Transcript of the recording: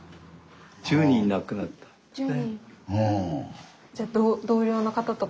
１０人亡くなったんですね。